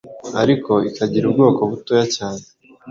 ariko ikagira ubwonko butoya cyane